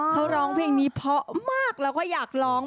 เขาร้องเพลงนี้เพราะมากแล้วก็อยากร้อง